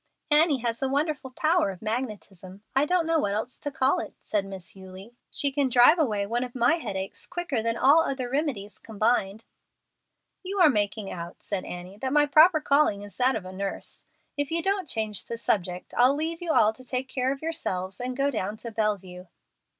"Annie has a wonderful power of magnetism; I don't know what else to call it," said Miss Eulie. "She can drive away one of my headaches quicker than all other remedies combined." "You are making out," said Annie, "that my proper calling is that of a nurse. If you don't change the subject, I'll leave you all to take care of yourselves, and go down to Bellevue."